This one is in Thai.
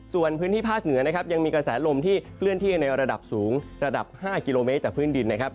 ส่วนพื้นที่ภาคเหนือนะครับยังมีกระแสลมที่เคลื่อนที่ในระดับสูงระดับ๕กิโลเมตรจากพื้นดินนะครับ